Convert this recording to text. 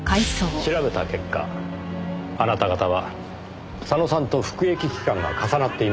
調べた結果あなた方は佐野さんと服役期間が重なっていましたねぇ。